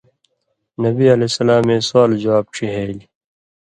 نبی علیہ سلامے سوال جواب ڇِہېلیۡ